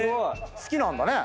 好きなんだね。